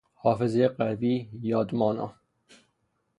حافظهی قوی، یاد مانا